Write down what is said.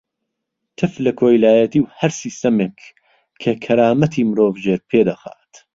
تف لە کۆیلایەتی و هەر سیستەمێک کە کەرامەتی مرۆڤ ژێرپێ دەخات.